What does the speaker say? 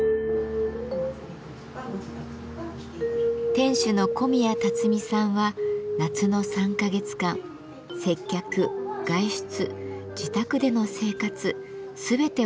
店主の小宮たつみさんは夏の３か月間接客外出自宅での生活全てを浴衣で過ごします。